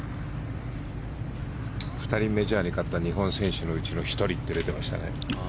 ２人メジャーに勝った日本人選手のうちの１人と出ていましたね。